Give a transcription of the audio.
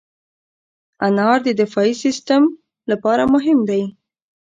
انار د دفاعي سیستم لپاره مهم دی.